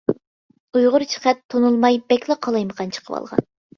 ئۇيغۇرچە خەت تونۇلماي بەكلا قالايمىقان چىقىۋالغان.